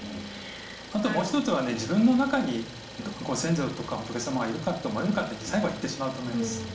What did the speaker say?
あともう１つは自分の中にご先祖様がいるかと思えるかって最後は行ってしまうと思います。